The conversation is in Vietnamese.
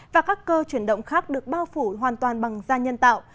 và các cơ chuyển động khác được bao phủ hoàn toàn bằng da nhân tạo